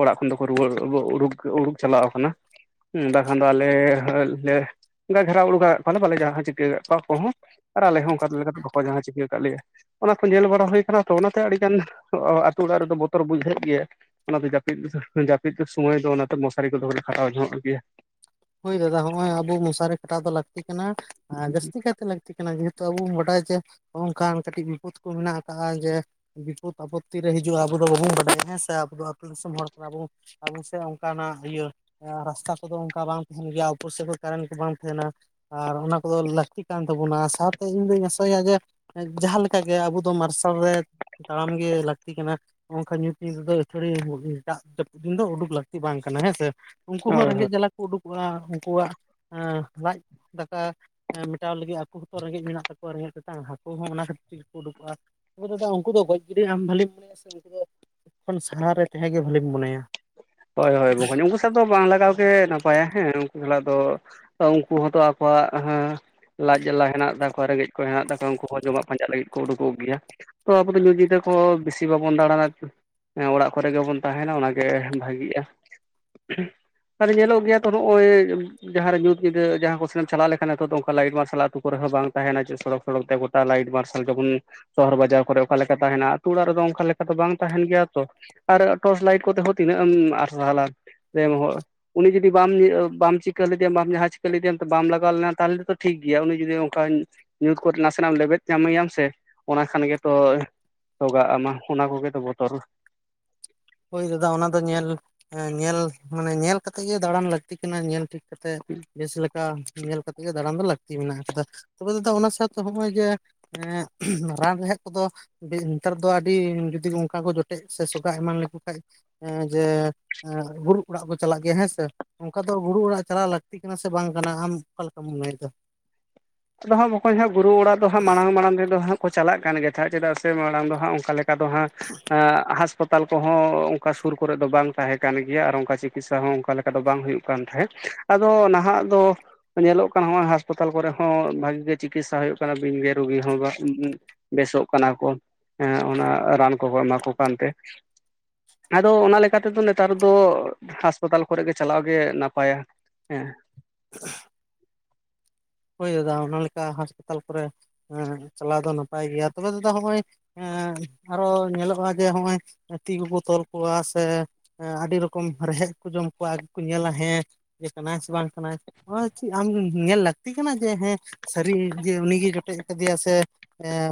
ᱚᱲᱟᱜ ᱠᱷᱚᱱ ᱫᱚᱠᱚ ᱨᱩᱣᱟᱹᱲ ᱩᱰᱩᱠ ᱪᱟᱞᱟᱣ ᱟᱠᱟᱱᱟ᱾ ᱦᱩᱸ ᱵᱟᱠᱷᱟᱱ ᱫᱚ ᱟᱞᱮ ᱞᱮ ᱚᱱᱠᱟ ᱜᱷᱮᱨᱟᱣᱵ [unintelligible] ᱵᱟᱞᱮ ᱡᱟᱦᱟᱸ ᱪᱤᱠᱟᱹ ᱠᱟᱜ ᱠᱚᱣᱟ ᱟᱠᱚ ᱦᱚᱸ ᱟᱨ ᱟᱞᱮ ᱦᱚᱸ ᱚᱱᱠᱟ ᱞᱮᱠᱟᱛᱮ ᱵᱟᱠᱚ ᱡᱟᱦᱟᱸ ᱪᱤᱠᱟᱹ ᱟᱠᱟᱫ ᱞᱮᱭᱟ᱾ ᱚᱱᱟ ᱠᱚ ᱧᱮᱞ ᱵᱟᱲᱟ ᱦᱩᱭ ᱟᱠᱟᱱᱟ ᱛᱚ ᱚᱱᱟᱛᱮ ᱟᱹᱰᱤ ᱜᱟᱱ ᱛᱩ ᱚᱲᱟᱜ ᱨᱮᱫᱚ ᱵᱚᱛᱚᱨ ᱵᱩᱡᱷᱟᱜ ᱜᱮᱭᱟ᱾ ᱚᱱᱟᱛᱮ ᱡᱟᱹᱯᱤᱫ ᱡᱟᱹᱯᱤᱫ ᱥᱚᱢᱚᱭ ᱫᱚ ᱚᱱᱟᱛᱮ ᱢᱚᱥᱟᱨᱤ ᱠᱚᱫᱚ ᱞᱮ ᱠᱷᱟᱴᱟᱣ ᱧᱚᱜᱚᱜ ᱜᱮᱭᱟ᱾ ᱦᱳᱭ ᱫᱟᱫᱟ ᱱᱚᱜᱼᱚᱭ ᱟᱵᱚ ᱢᱚᱥᱟᱨᱤ ᱠᱷᱟᱴᱟᱣ ᱫᱚ ᱞᱟᱹᱠᱛᱤ ᱠᱟᱱᱟ ᱟᱨ ᱡᱟᱹᱥᱛᱤ ᱠᱟᱭᱛᱮ ᱞᱟᱠ [unintelligible] ᱞᱟᱹᱠᱛᱤ ᱠᱟᱱᱟ ᱡᱮᱦᱮᱛᱩ ᱟᱵᱚ ᱵᱚᱱ ᱵᱟᱰᱟᱭ ᱡᱮᱚᱝᱠ ᱠᱟᱹᱴᱤᱡᱤᱯᱚᱫ ᱠᱚ ᱢᱮᱱᱟᱜ ᱟᱠᱟᱫᱼᱟ ᱡᱮ ᱵᱤᱯᱚᱫ ᱟᱯᱚᱛᱛᱤ ᱨᱮ ᱦᱤᱡᱩᱜᱼᱟ ᱟᱵᱚ ᱫᱚ ᱵᱟᱵᱚᱱ ᱵᱟᱰᱟᱭᱟ ᱦᱮᱸ ᱥᱮ ᱟᱵᱚ ᱟᱹᱛᱩ ᱫᱤᱥᱚᱢ ᱦᱚᱲ ᱠᱟᱱᱟ ᱵᱚᱱ ᱟᱵᱚ ᱥᱮᱮᱫ ᱚᱱᱠᱟᱱᱟᱜ ᱤᱭᱟᱹ ᱨᱟᱥᱛᱟ ᱠᱚᱫᱚ ᱚᱱᱠᱟ ᱵᱟᱝ ᱛᱟᱦᱮᱱ ᱜᱮᱭᱟ ᱩᱯᱚᱨ ᱥᱮᱠᱚᱚᱨ ᱠᱟᱨᱮᱱᱴ ᱠᱚ ᱵᱟᱝ ᱛᱟᱦᱮᱱᱟ ᱟᱨ ᱚᱱᱟ ᱠᱚᱫᱚ ᱞᱟᱹᱠᱛᱤ ᱠᱟᱱ ᱛᱟᱵᱚᱱᱟ ᱥᱟᱶᱛᱮ ᱤᱧ ᱫᱩᱧ ᱟᱥᱟᱭᱟ ᱡᱮ ᱡᱟᱦᱟᱸᱞᱮᱠᱟᱜᱮ ᱟᱵᱚ ᱫᱚ ᱢᱟᱨᱥᱟᱞ ᱨᱮ ᱛᱟᱲᱟᱢ ᱜᱮ ᱞᱟᱹᱠᱛᱤ ᱠᱟᱱᱟ ᱚᱱᱠᱟ ᱧᱩᱛ ᱧᱩᱛᱮᱫ ᱫᱚ ᱟᱛᱷᱟᱣᱲᱤ ᱫᱟᱜ ᱫᱤᱱ ᱫᱚ ᱩᱰᱩᱠ ᱞᱟᱹᱠᱛᱤ ᱵᱟᱝ ᱠᱟᱱᱟ ᱦᱮᱸ ᱥᱮ ᱩᱱᱠᱩ ᱦᱚᱸ ᱦᱳᱭ ᱦᱳᱭ ᱨᱮᱸᱜᱮᱡ ᱡᱟᱞᱟ ᱠᱚ ᱩᱰᱩᱠᱚᱜᱼᱟ ᱩᱱᱠᱩᱣᱟᱜ ᱞᱟᱡ ᱫᱟᱠᱟ ᱢᱮᱴᱟᱣ ᱞᱟᱹᱜᱤᱫ ᱟᱠᱚ ᱦᱚᱸᱛᱚ ᱨᱮᱸᱜᱮᱡ ᱢᱮᱱᱟᱜ ᱛᱟᱠᱚᱣᱟ ᱨᱮᱸᱜᱮᱡ ᱛᱮᱛᱟᱝ ᱦᱟᱹᱠᱩ ᱦᱚᱸ ᱚᱱᱟ ᱠᱷᱟᱹᱛᱤᱨ ᱩᱰᱩᱠᱚᱜᱼᱟ ᱳ ᱫᱟᱫᱟ ᱩᱱᱠᱩ ᱫᱚ ᱜᱚᱡ ᱜᱤᱰᱤ ᱟᱢ ᱵᱷᱟᱹᱞᱤᱢ ᱢᱚᱱᱮᱭᱟ ᱥᱮ ᱥᱮ ᱩᱱᱠᱩ ᱫᱚ ᱡᱚᱠᱷᱚᱱ ᱥᱟᱦᱟᱨ ᱨᱮ ᱛᱟᱦᱮᱸᱱ ᱜᱮ ᱵᱷᱟᱹᱞᱤᱢ ᱢᱚᱱᱮᱭᱟ᱾ ᱦᱳᱭ ᱦᱳᱭ ᱵᱚᱠᱚᱧ ᱩᱱᱠᱩ ᱮᱴᱟᱜ ᱫᱚ ᱵᱟᱝ ᱞᱟᱜᱟᱣ ᱜᱮ ᱱᱟᱯᱟᱭᱟ ᱦᱮᱸ ᱩᱱᱠᱩ ᱥᱟᱞᱟᱜ ᱫᱚ ᱩᱱᱠᱩ ᱦᱚᱸᱛᱚ ᱟᱠᱚᱣᱟᱜ ᱦᱮ ᱞᱟᱡ ᱡᱟᱞᱟ ᱦᱮᱱᱟᱜ ᱛᱟᱠᱚᱣᱟ ᱨᱮᱸᱜᱮᱡ ᱠᱚ ᱦᱮᱱᱟᱜ ᱛᱟᱠᱚᱣᱟ ᱩᱱᱠᱩ ᱦᱚᱸ ᱡᱚᱢᱟᱜ ᱯᱟᱸᱡᱟ ᱞᱟᱹᱜᱤᱫ ᱩᱰᱩᱠᱚᱜ ᱜᱮᱭᱟ ᱛᱚ ᱟᱵᱚ ᱫᱚᱡ ᱛᱟ ᱠᱚ ᱵᱮᱥᱤ ᱵᱟᱵᱚᱱ ᱫᱟᱬᱟᱱᱟ ᱚᱲᱟᱜ ᱠᱚᱨᱮ ᱜᱮᱵᱚᱱ ᱛᱟᱦᱮᱱᱟ ᱚᱱᱟᱜᱮ ᱵᱷᱟᱹᱜᱤᱜᱼᱟ᱾ ᱛᱟᱦᱚᱞᱮ ᱧᱮᱞᱚᱜ ᱜᱮᱭᱟ ᱛᱚ ᱱᱚᱜᱼᱚᱭ ᱡᱟᱦᱟᱸᱨᱮ ᱧᱩᱛ ᱧᱤᱫᱟᱹ ᱡᱟᱦᱟᱸ ᱠᱚ ᱥᱮᱫ ᱮᱢ ᱪᱟᱞᱟᱣ ᱞᱮᱠᱷᱟᱱ ᱱᱤᱛᱚᱜ ᱫᱚ ᱚᱱᱠᱟ ᱞᱟᱭᱤᱴ ᱢᱟᱨᱥᱟᱞ ᱟᱹᱛᱩ ᱠᱚᱨᱮ ᱦᱚᱸ ᱵᱟᱝ ᱛᱟᱦᱮᱱᱟ ᱪᱮᱫ ᱥᱚᱲᱚᱠ ᱥᱚᱲᱚᱠ ᱛᱮ ᱜᱚᱴᱟ ᱞᱟᱭᱤᱰ ᱢᱟᱨᱥᱟᱞ ᱡᱮᱢᱚᱱ ᱥᱚᱦᱚᱨ ᱵᱟᱡᱟᱨ ᱠᱚᱨᱮ ᱚᱠᱟ ᱞᱮᱠᱟ ᱛᱟᱦᱮᱱᱟ ᱟᱹᱛᱩ ᱚᱲᱟᱜ ᱨᱮᱫᱚ ᱚᱱᱠᱟ ᱞᱮᱠᱟ ᱫᱚ ᱵᱟᱝ ᱛᱟᱦᱮᱱ ᱜᱮᱭᱟ ᱛᱚ ᱟᱨ ᱴᱚᱨᱪ ᱞᱟᱭᱤᱴ ᱠᱚᱛᱮ ᱦᱚ ᱛᱤᱱᱟᱹᱜ ᱮᱢ ᱟᱨᱥᱟᱞᱟ ᱡᱮ ᱦᱚ ᱩᱱᱤ ᱡᱩᱫᱤ ᱵᱟᱢ ᱵᱟᱢ ᱪᱤᱠᱟᱹ ᱞᱮᱫᱮᱭᱟ ᱵᱟᱢ ᱡᱟᱦᱟᱸ ᱪᱤᱠᱟᱹ ᱞᱮᱫᱮ ᱵᱟᱢ ᱞᱟᱜᱟᱣ ᱞᱮᱱᱟ ᱛᱟᱦᱚᱞᱮ ᱛᱚ ᱴᱷᱤᱠ ᱜᱮᱭᱟ ᱩᱱᱤ ᱡᱩᱫᱤ ᱚᱱᱠᱟᱧ ᱧᱩᱛ ᱠᱚᱨᱮ ᱱᱟᱥᱮᱱᱟᱜ ᱮᱢ ᱞᱮᱵᱮᱫ ᱧᱟᱢᱮᱭᱟᱢ ᱥᱮ ᱚᱱᱟ ᱠᱷᱟᱱ ᱜᱮᱛᱚ ᱥᱚᱜᱟᱜ ᱟᱢᱟ ᱚᱱᱟ ᱠᱚᱜᱮ ᱛᱚ ᱵᱚᱛᱚᱨ ᱦᱩᱭ ᱫᱟ ᱚᱱᱟ ᱫᱚ ᱧᱮᱞ ᱧᱮᱞ ᱢᱟᱱᱮ ᱧᱮᱞ ᱠᱟᱛᱮ ᱜᱮ ᱫᱟᱬᱟᱱ ᱞᱟᱹᱠᱛᱤ ᱠᱟᱱᱟ ᱧᱮᱞ ᱴᱷᱤᱠ ᱠᱟᱛᱮ ᱵᱮᱥ ᱞᱮᱠᱟ ᱧᱮᱞ ᱠᱟᱛᱮ ᱫᱟᱬᱟᱱ ᱫᱚ ᱞᱟᱹᱠᱛᱤ ᱢᱮᱱᱟᱜ ᱟᱠᱟᱫᱟ ᱛᱚᱵᱮ ᱫᱟᱫᱟ ᱚᱱᱟ ᱥᱟᱶᱛᱮ ᱱᱚᱜᱼᱚᱭ ᱡᱮ ᱨᱟᱱ ᱨᱮᱦᱮᱫ ᱠᱚᱫᱚ ᱱᱮᱛᱟᱨ ᱫᱚ ᱟᱹᱰᱤ ᱡᱩᱫᱤ ᱚᱱᱠᱟ ᱠᱚ ᱡᱚᱴᱮᱫ ᱥᱮ ᱥᱚᱜᱟ ᱮᱢᱟᱱ ᱞᱮᱠᱚ ᱠᱷᱟᱱ ᱡᱮ ᱵᱩᱨᱩᱜ ᱚᱲᱟᱜ ᱠᱚ ᱪᱟᱞᱟᱜ ᱜᱮᱭᱟ ᱦᱮᱸ ᱥᱮ ᱚᱱᱠᱟ ᱫᱚ ᱜᱩᱨᱩ ᱚᱲᱟᱜ ᱪᱟᱞᱟᱣ ᱞᱟᱹᱠᱛᱤ ᱠᱟᱱᱟ ᱥᱮ ᱵᱟᱝ ᱠᱟᱱᱟ ᱟᱢ ᱚᱠᱟ ᱞᱮᱠᱟᱢ ᱢᱚᱱᱮᱭᱮᱫᱟ? ᱟᱫᱚ ᱦᱟᱸᱜ ᱵᱟᱠᱚᱧ ᱦᱟᱸᱜ ᱵᱩᱨᱩ ᱚᱲᱟᱜ ᱫᱚ ᱦᱟᱸᱜ ᱢᱟᱲᱟᱝ ᱢᱟᱲᱟᱝ ᱛᱮᱫᱚᱟᱸᱜ ᱠᱚ ᱪᱟᱞᱟᱜ ᱠᱟᱱ ᱜᱮᱭᱟ ᱛᱟᱦᱮᱸ ᱪᱮᱫᱟᱜ ᱥᱮ ᱢᱟᱲᱟᱝ ᱫᱚ ᱦᱟᱸᱜ ᱚᱱᱠᱟ ᱞᱮᱠᱟ ᱫᱚ ᱦᱟᱸᱜ ᱦᱟᱥᱯᱟᱛᱟᱞ ᱦᱟᱥᱯᱟᱛᱟᱞ ᱠᱚᱦᱚᱸ ᱚᱱᱠᱟ ᱥᱩᱨ ᱠᱚᱨᱮᱜ ᱫᱚ ᱵᱟᱝ ᱛᱟᱦᱮᱸ ᱠᱟᱱ ᱜᱮᱭᱟ ᱟᱨ ᱚᱱᱠᱟ ᱪᱤᱠᱤᱛᱥᱟ ᱦᱚᱸ ᱚᱱᱠᱟ ᱞᱮᱠᱟ ᱫᱚ ᱵᱟᱝ ᱦᱩᱭᱩᱜ ᱠᱟᱱ ᱛᱟᱦᱮᱸᱫ ᱟᱫᱚ ᱱᱟᱦᱟᱜ ᱫᱚ ᱧᱮᱞᱚᱜ ᱠᱟᱱᱟ ᱱᱚᱜ-ᱚᱭ ᱦᱟᱥᱯᱟᱛᱟᱞ ᱠᱚᱨᱮ ᱦᱚᱸ ᱵᱷᱟᱜᱤ ᱜᱮ ᱪᱤᱠᱤᱛᱥᱟ ᱦᱩᱭᱩᱜ ᱠᱟᱱᱟ ᱵᱤᱧ ᱜᱮ ᱨᱩᱜᱤ ᱦᱚᱸ ᱵᱮᱥᱚᱜ ᱠᱟᱱᱟ ᱠᱚ ᱦᱮᱸ ᱚᱱᱟ ᱨᱟᱱ ᱠᱚ ᱮᱢᱟ ᱠᱚ ᱠᱟᱱᱛᱮ ᱟᱫᱚ ᱚᱱᱟ ᱞᱮᱠᱟᱛᱮᱫᱚ ᱱᱮᱛᱟᱨ ᱫᱚ ᱦᱟᱥᱯᱟᱛᱟᱞ ᱠᱚᱨᱮ ᱜᱮ ᱪᱟᱞᱟᱜ ᱜᱮ ᱱᱟᱯᱟᱭᱟ᱾ ᱦᱮᱸ [inaudible] ᱦᱩᱭ ᱫᱟᱫᱟ ᱚᱱᱟ ᱞᱮᱠᱟ ᱦᱟᱸᱥᱯᱟᱛᱟᱞ ᱠᱚᱨᱮ ᱪᱟᱞᱟᱣ ᱫᱚ ᱱᱟᱯᱟᱭ ᱜᱮᱭᱟ ᱛᱚᱵᱮ ᱫᱟᱫᱟ ᱱᱚᱜ-ᱚᱭ ᱟᱨᱦᱚ ᱧᱮᱞᱚᱜ-ᱟ ᱡᱮ ᱦᱚᱜ-ᱚᱭ ᱛᱤ ᱠᱚᱠᱚ ᱛᱚᱞ ᱠᱚᱣᱟ ᱥᱮ ᱟᱹᱰᱤ ᱨᱚᱠᱚᱢ ᱨᱮᱦᱮᱫ ᱠᱚ ᱡᱚᱢ ᱠᱚᱣᱟ ᱟᱨ ᱠᱚ ᱧᱮᱞᱟ ᱦᱮᱸ ᱤᱭᱟᱹ ᱠᱟᱱᱟᱭ ᱥᱮ ᱵᱟᱝ ᱠᱟᱱᱟᱭ ᱪᱮᱫ ᱟᱢ ᱧᱮᱞ ᱞᱟᱹᱠᱛᱤ ᱠᱟᱱᱟ ᱡᱮ ᱦᱮᱸ ᱥᱟᱹᱨᱤ ᱡᱮ ᱩᱱᱤᱜᱨᱭ ᱡᱚᱴᱮᱡ ᱟᱠᱟᱫᱮᱭᱟ ᱥᱮ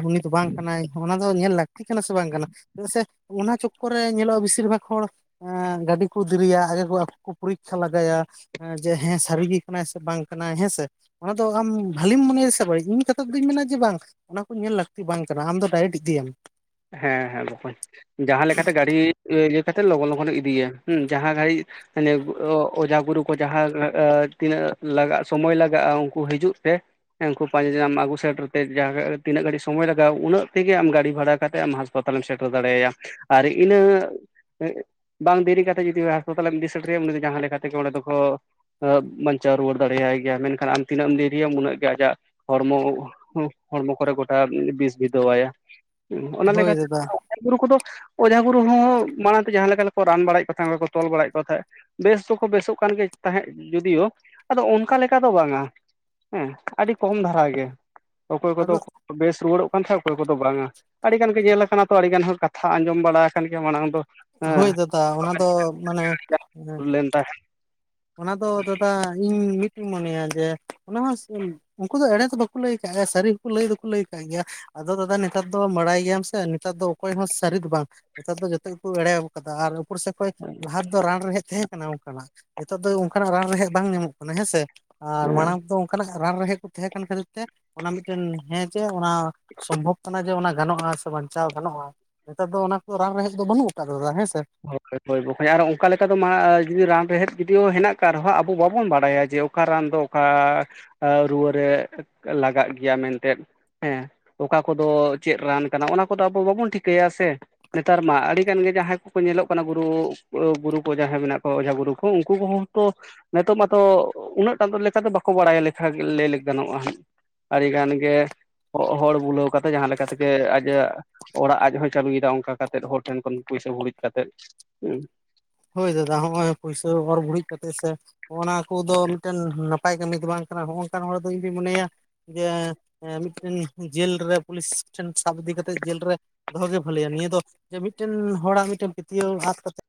ᱩᱱᱤ ᱫᱚ ᱵᱟᱝ ᱠᱟᱱᱟᱭ ᱚᱱᱟ ᱫᱚ ᱧᱮᱞ ᱞᱟᱹᱠᱛᱤ ᱠᱟᱱᱟ ᱥᱮ ᱵᱟᱝ ᱠᱟᱱᱟ ᱪᱮᱫᱟᱜ ᱥᱮ ᱚᱱᱟ ᱪᱚᱠᱚᱨ ᱨᱮ ᱧᱮᱞᱚᱜ-ᱟ ᱵᱮᱥᱤᱨ ᱵᱷᱟᱜᱽ ᱦᱚᱲ ᱜᱟᱹᱰᱤ ᱠᱚ ᱫᱮᱨᱤᱭᱟ ᱟᱠᱚ ᱠᱚ ᱯᱚᱨᱤᱠᱠᱷᱟ ᱞᱮᱟᱜᱟᱭᱟ᱾ ᱡᱮ ᱦᱮᱸ ᱥᱟᱹᱨᱤ ᱜᱮ ᱠᱟᱱᱟᱭ ᱥᱮ ᱵᱟᱝ ᱠᱟᱱᱟᱭ ᱦᱮᱸᱥᱮ᱾ ᱚᱱᱟ ᱫᱚ ᱟᱢ ᱵᱷᱟᱹᱞᱤᱢ ᱢᱚᱱᱮᱭᱟ ᱥᱮ ᱤᱧ ᱠᱟᱛᱷᱟ ᱫᱚᱩᱧ ᱢᱮᱱᱟ ᱡᱮ ᱵᱟᱝ ᱚᱱᱟ ᱠᱚ ᱧᱮᱞ ᱞᱟᱹᱠᱛᱤ ᱵᱟᱝ ᱠᱟᱱᱟ ᱟᱢ ᱫᱚ ᱰᱟᱭᱨᱮᱠᱴ ᱤᱫᱤᱭᱟᱢ ᱦᱮᱸ ᱦᱮᱸ ᱵᱚᱠᱚᱧ ᱡᱟᱦᱟᱸ ᱞᱮᱠᱟᱛᱮ ᱜᱟᱹᱲᱤ ᱤᱭᱟᱹ ᱠᱟᱛᱮ ᱞᱚᱜᱚᱱ ᱞᱚᱜᱚᱱ ᱞᱮ ᱤᱫᱤᱭᱮᱭᱟ ᱦᱮᱸ ᱡᱟᱦᱟᱸ ᱜᱟᱹᱲᱤ ᱢᱟᱱᱮ ᱚᱡᱷᱟ ᱜᱩᱨᱩ ᱠᱚ ᱡᱟᱦᱟᱸ ᱛᱤᱱᱟᱹᱜ ᱞᱟᱜᱟᱜ ᱥᱚᱢᱚᱭ ᱞᱟᱜᱟᱜ-ᱟ ᱩᱱᱠᱩ ᱦᱤᱡᱩᱜ ᱛᱮ ᱦᱮᱸ ᱩᱱᱠᱩ ᱯᱟᱸᱡᱟ ᱧᱟᱢ ᱟᱹᱜᱩ ᱥᱮᱴᱮᱨ ᱛᱮ ᱡᱟᱜᱮ ᱡᱟᱦᱟᱸ ᱛᱤᱱᱟᱹᱜ ᱜᱷᱟᱲᱤᱡ ᱥᱚᱢᱚᱭ ᱞᱟᱜᱟᱜ- ᱩᱱᱟᱹᱜ ᱛᱮᱜᱮ ᱜᱟᱹᱰᱤ ᱵᱷᱟᱲᱟ ᱠᱟᱛᱮ ᱟᱢ ᱦᱟᱸᱥᱯᱟᱛᱟᱞᱮ ᱮᱢ ᱥᱮᱴᱮᱨ ᱫᱟᱲᱮᱭᱟᱭᱟ ᱟᱨ ᱤᱱᱟᱹ ᱵᱟᱝ ᱫᱮᱨᱤ ᱠᱟᱛᱮᱫ ᱡᱩᱫᱤ ᱦᱟᱥᱯᱟᱛᱟᱞᱮ ᱮᱢ ᱤᱫᱤ ᱥᱮᱴᱮᱨᱮᱭᱟ ᱩᱱᱤ ᱫᱚ ᱡᱟᱦᱟᱸ ᱞᱮᱠᱟ ᱛᱮᱜᱮ ᱚᱸᱰᱮ ᱫᱚᱠᱚ ᱵᱟᱧᱪᱟᱣ ᱨᱩᱣᱟᱹᱲ ᱫᱟᱲᱮᱭᱟᱭ ᱜᱮᱭᱟ ᱢᱮᱱᱠᱷᱟᱱ ᱟᱢ ᱛᱤᱱᱟᱹᱜ ᱮᱢ ᱫᱮᱨᱤᱭᱟᱢ ᱩᱱᱟᱹᱜ ᱜᱮ ᱟᱡᱟᱜ ᱦᱚᱲᱢᱚ ᱦᱚᱲᱢᱚ ᱠᱚᱨᱮ ᱜᱚᱴᱟ ᱵᱤᱥ ᱵᱤᱫᱟᱹᱣᱟᱭ ᱚᱱᱟ ᱦᱳᱭ ᱞᱮᱠᱟᱛᱮ ᱫᱟᱫᱟ ᱜᱩᱨᱩ ᱠᱚᱫᱚ ᱚᱡᱷᱟ ᱜᱩᱨᱩ ᱦᱚᱸ ᱢᱟᱲᱟᱝ ᱛᱮ ᱡᱟᱦᱟᱸ ᱞᱮᱠᱟᱠᱚ ᱨᱟᱱ ᱵᱟᱲᱟᱭᱮᱫ ᱠᱚ ᱛᱟᱦᱮᱸᱫ ᱠᱚ ᱛᱚᱞ ᱵᱟᱲᱟᱭᱮᱫ ᱠᱚ ᱛᱟᱦᱮᱸᱫ ᱵᱮᱥ ᱫᱚᱠᱚ ᱵᱮᱥᱚᱜ ᱠᱟᱱ ᱜᱮ ᱛᱟᱦᱮᱸᱫ ᱡᱩᱫᱤᱭᱳ ᱟᱫᱚ ᱚᱱᱠᱟ ᱞᱮᱠᱟ ᱫᱚ ᱵᱟᱝᱟ ᱦᱮᱸ ᱟᱹᱰᱤ ᱠᱚᱢ ᱫᱷᱟᱨᱟ ᱜᱮ ᱚᱠᱚᱭ ᱠᱚᱫᱚ ᱟᱫᱚ ᱵᱮᱥ ᱨᱩᱣᱟᱹᱲᱚᱜ ᱠᱟᱱ ᱛᱟᱦᱮᱸᱫ ᱚᱠᱚᱭ ᱠᱚᱫᱚ ᱵᱟᱝᱟ ᱟᱹᱰᱤ ᱜᱟᱱ ᱜᱮ ᱧᱮᱞ ᱟᱠᱟᱱᱟ ᱛᱚ ᱟᱹᱰᱤ ᱜᱟᱱ ᱦᱚᱲ ᱠᱟᱛᱷᱟ ᱟᱸᱡᱚᱢ ᱵᱟᱲᱟ ᱟᱠᱟᱱ ᱜᱮᱭᱟ ᱢᱟᱲᱟᱝ ᱫᱚ ᱦᱳᱭ ᱦᱮᱸ ᱫᱟᱫᱟ ᱚᱱᱟ ᱫᱚ ᱢᱟᱱᱮ [unintelligible] ᱚᱱᱟ ᱫᱚ ᱫᱟᱫᱟ ᱤᱧ ᱢᱤᱫᱴᱤᱧ ᱢᱚᱱᱮᱭᱟ ᱡᱮ ᱚᱱᱟ ᱦᱚᱸ ᱩᱱᱠᱩ ᱫᱚ ᱮᱲᱮ ᱫᱚ ᱵᱟᱠᱚ ᱞᱟᱹᱭ ᱟᱠᱟᱫ ᱜᱮᱭᱟ ᱥᱟᱹᱨᱤ ᱦᱚᱸᱠᱚ ᱞᱟᱹᱭ ᱫᱚᱠᱚ ᱞᱟᱹᱭ ᱟᱠᱟᱫ ᱜᱮᱭᱟ ᱟᱫᱚ ᱫᱟᱫᱟ ᱱᱮᱛᱟᱨ ᱫᱚ ᱵᱟᱲᱟᱭ ᱜᱮᱭᱟᱢ ᱥᱮ ᱱᱮᱛᱟᱨ ᱫᱚ ᱚᱠᱚᱭ ᱦᱚᱸ ᱥᱟᱹᱨᱤ ᱫᱚ ᱵᱟᱝ ᱱᱮᱛᱟᱨ ᱫᱚ ᱡᱚᱛᱚ ᱮᱲᱮ ᱟᱠᱟᱫᱟ ᱟᱨ ᱩᱯᱚᱨᱥᱮᱫ ᱠᱷᱚᱱ ᱞᱟᱦᱟ ᱫᱚ ᱨᱟᱱ ᱨᱮᱦᱮᱡ ᱛᱟᱦᱮᱸ ᱠᱟᱱᱟ ᱚᱱᱠᱟᱱᱟᱜ ᱱᱤᱛᱚᱜ ᱫᱚ ᱚᱱᱠᱟᱱᱟᱜ ᱨᱟᱱ ᱨᱮᱦᱮᱫ ᱵᱟᱝ ᱧᱟᱢᱚᱜ ᱠᱟᱱᱟ ᱦᱮᱸᱥᱮ ᱟᱨ ᱢᱟᱲᱟᱝ ᱫᱚ ᱚᱱᱠᱟᱱᱟᱜ ᱨᱟᱱ ᱨᱮᱦᱮᱫ ᱠᱚ ᱛᱟᱦᱮᱸ ᱠᱟᱱ ᱠᱷᱟᱹᱛᱤᱨ ᱚᱱᱟ ᱢᱤᱫᱴᱮᱱ ᱦᱮᱸ ᱡᱮ ᱚᱱᱟ ᱥᱚᱢᱵᱷᱚᱵ ᱠᱟᱱᱟ ᱡᱮ ᱜᱟᱱᱚᱜᱼᱟ ᱥᱮ ᱵᱟᱧᱪᱟᱣ ᱜᱟᱱᱚᱜᱼᱟ ᱱᱮᱛᱟᱨ ᱫᱚ ᱚᱱᱟ ᱠᱚᱫᱚ ᱨᱟᱱ ᱨᱮᱦᱮᱫ ᱫᱚ ᱵᱟᱹᱱᱩᱜ ᱟᱠᱟᱫ ᱫᱟᱫᱟ ᱦᱮᱸ ᱥᱮ ᱦᱳᱭᱳᱭ ᱵᱚᱠᱚᱧ ᱟᱨ ᱚᱱᱠᱟ ᱞᱮᱠᱟ ᱫᱚ ᱡᱩᱫᱤ ᱨᱟᱱ ᱨᱮᱦᱮᱫ ᱡᱩᱫᱤ ᱦᱮᱱᱟᱜ ᱟᱠᱟᱫ ᱨᱮᱦᱚᱸ ᱟᱵᱚ ᱵᱟᱵᱚᱱ ᱵᱟᱲᱟᱭᱟ ᱡᱮ ᱚᱠᱟ ᱨᱟᱱ ᱫᱚ ᱚᱠᱟ ᱨᱩᱣᱟᱹᱨ ᱨᱮ ᱞᱟᱜᱟᱜ ᱜᱮᱭᱟ ᱢᱮᱱᱛᱮᱫ ᱦᱮᱸ ᱚᱠᱟ ᱠᱚᱫᱚ ᱪᱮᱫ ᱨᱟᱱ ᱠᱟᱱᱟ ᱚᱱᱟ ᱠᱚᱫᱚ ᱟᱵᱚ ᱵᱟᱵᱚᱱ ᱴᱷᱤᱠᱟᱹᱭᱟ ᱥᱮ ᱱᱮᱛᱟᱨ ᱢᱟ ᱟᱹᱰᱤ ᱜᱟᱱ ᱜᱮ ᱡᱟᱦᱟᱸᱭ ᱠᱚ ᱠᱚ ᱧᱮᱞᱚᱜ ᱠᱟᱱᱟ ᱜᱩᱨᱩ ᱜᱩᱨᱩ ᱠᱚ ᱡᱟᱦᱟᱸᱭ ᱢᱮᱱᱟᱜ ᱠᱚᱣᱟ ᱚᱡᱷᱟ ᱜᱩᱨᱩ ᱠᱚ ᱩᱱᱠᱩ ᱠᱚᱦᱚᱸ ᱛᱚ ᱱᱤᱛᱚᱜ ᱢᱟᱛᱚ ᱩᱱᱟᱹᱜ ᱴᱟᱜ ᱫᱚ ᱞᱮᱠᱟ ᱫᱚ ᱵᱟᱠᱚ ᱵᱟᱲᱟᱭᱟ ᱞᱮᱠ ᱞᱟᱹᱭ ᱞᱮ ᱜᱟᱱᱚᱜ-ᱟ ᱦᱟᱸᱜ ᱟᱹᱰᱤ ᱜᱟᱱ ᱜᱮ ᱦᱚᱲ ᱵᱩᱞᱟᱹᱣ ᱠᱟᱛᱮ ᱡᱟᱦᱟᱸ ᱛᱮᱜᱮ ᱟᱡᱟᱜ ᱚᱲᱟᱜ ᱟᱡ ᱦᱚᱸᱭ ᱪᱟᱹᱞᱩᱭᱮᱫᱟ ᱚᱱᱠᱟ ᱠᱟᱛᱮᱫ ᱦᱚᱲ ᱴᱷᱮᱱ ᱠᱷᱚᱱ ᱯᱩᱭᱥᱟ ᱵᱷᱩᱨᱤᱡ ᱠᱟᱛᱮᱫ ᱦᱮᱸ ᱦᱳᱭ ᱫᱟᱫᱟ ᱦᱚᱸᱜ-ᱚᱭ ᱯᱩᱭᱥᱟᱹ ᱚᱨ ᱵᱷᱲᱤᱡ ᱠᱟᱛᱮ ᱥᱮ ᱦᱚᱱᱟ ᱚᱱᱟ ᱠᱚᱫᱚ ᱢᱤᱫᱴᱮᱱ ᱱᱟᱯᱟᱭ ᱠᱟᱹᱢᱤ ᱫᱚ ᱵᱟᱝ ᱠᱟᱱᱟ ᱱᱚᱝᱠᱟᱱ ᱦᱚᱲ ᱫᱚ ᱤᱧᱫᱩᱧ ᱢᱚᱱᱮᱭᱟ ᱡᱮ ᱢᱤᱫᱴᱮᱱ ᱡᱮᱞ ᱨᱮ ᱯᱩᱞᱤᱥ ᱴᱷᱮᱱ ᱥᱟᱵ ᱤᱫᱤ ᱠᱟᱛᱮᱫ ᱡᱮᱞ ᱨᱮ ᱫᱚᱦᱚᱜᱮ ᱵᱷᱟᱹᱞᱭᱟ ᱱᱤᱭᱟᱹ ᱫᱚ ᱡᱮ ᱢᱤᱫᱴᱮᱱ ᱦᱚᱲᱟᱜ ᱢᱤᱫᱴᱮᱱ ᱯᱟᱹᱛᱭᱟᱹᱣ ᱟᱫ ᱠᱟᱛᱮ